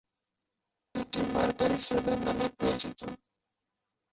এটি "Mercury seven" নামে পরিচিত।